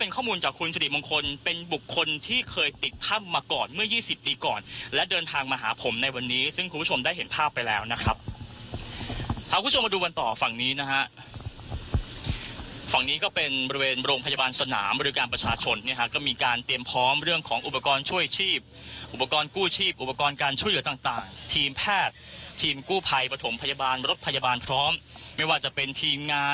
คุณผู้ชมได้เห็นภาพไปแล้วนะครับเอาคุณผู้ชมมาดูวันต่อฝั่งนี้นะฮะฝั่งนี้ก็เป็นบริเวณโรงพยาบาลสนามบริการประชาชนเนี่ยฮะก็มีการเตรียมพร้อมเรื่องของอุปกรณ์ช่วยชีพอุปกรณ์กู้ชีพอุปกรณ์การช่วยเหลือต่างต่างทีมแพทย์ทีมกู้ภัยประถมพยาบาลรถพยาบาลพร้อมไม่ว่าจะเป็นทีมง